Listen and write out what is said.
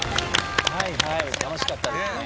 はいはい楽しかったですね。